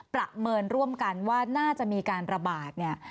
ประเมินร่วมกันว่าน่าจะมีการระบาดเนี่ย